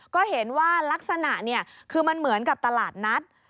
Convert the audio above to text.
ก็เห็นว่าลักษณะคือมันเหมือนกับตลาดนัด